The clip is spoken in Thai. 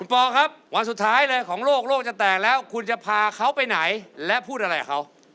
ปอลครับวันสุดท้ายเลยของโลกโลกจะแตกแล้วคุณจะพาเขาไปไหนและพูดอะไรกับเขา